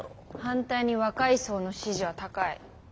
反対に若い層の支持は高い。